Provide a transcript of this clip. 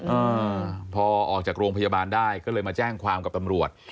อ่าพอออกจากโรงพยาบาลได้ก็เลยมาแจ้งความกับตำรวจ